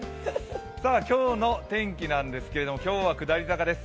今日の天気のですけれども、今日は下り坂です。